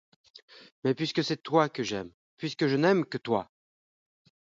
Mais puisque c'est toi que j'aime, puisque je n'aime que toi!